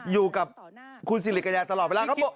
อยู่กับคุณสิริกายาตลอดเวล้าครับ